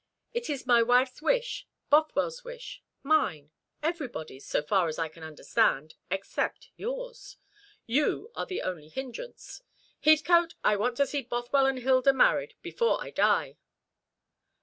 It is my wife's wish, Bothwell's wish, mine, everybody's, so far as I can understand, except yours. You are the only hindrance. Heathcote, I want to see Bothwell and Hilda married before I die."